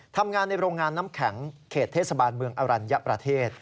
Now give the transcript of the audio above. ทำงานในโรงงานน้ำแข็งเขตเทศบาลเมืองอรัญญประเทศ